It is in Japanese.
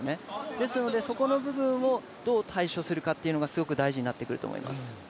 ですので、そこの部分をどう対処するかというのがすごく大事になってくると思います。